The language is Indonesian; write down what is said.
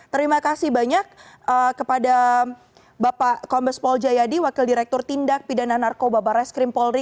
terima kasih banyak kepada bapak kombes pol jayadi wakil direktur tindak pidana narkoba bares krim polri